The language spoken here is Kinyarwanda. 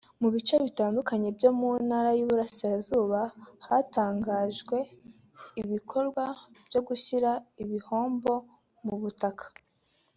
Mu bice bitandukanye byo mu ntara y’i Burasirazuba hatangijwe ibikorwa byo gushyira ibihombo mu butaka